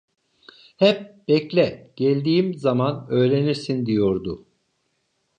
Hep "Bekle, geldiğim zaman öğrenirsin!" diyordu.